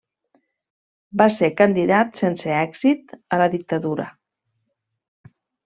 Va ser candidat sense èxit a la dictadura.